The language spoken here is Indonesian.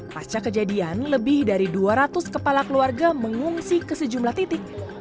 pasca kejadian lebih dari dua ratus kepala keluarga mengungsi ke sejumlah titik